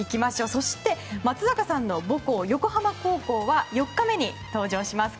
そして、松坂さんの母校横浜高校は４日目に登場します。